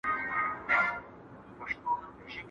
پور پر غاړه، غوا مرداره.